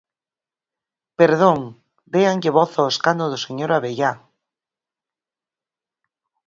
¡Perdón!, déanlle voz ao escano do señor Abellá.